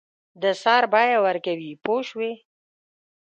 د سر بیه ورکوي پوه شوې!.